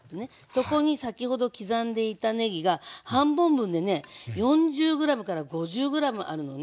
そこに先ほど刻んでいたねぎが半本分でね４０ｇから５０ｇあるのね。